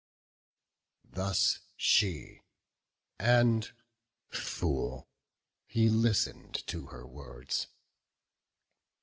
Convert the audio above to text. Thus she; and, fool, he listen'd to her words.